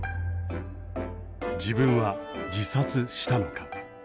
自分は自殺したのか。